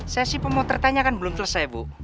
sesi pemotretannya kan belum selesai bu